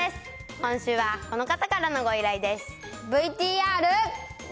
今週は、この方からのご依頼です。